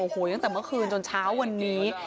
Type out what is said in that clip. โอ้โหตั้งแต่เมื่อคืนจนเช้าวันนี้